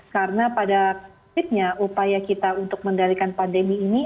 karena pada prinsipnya upaya kita untuk mengendalikan pandemi ini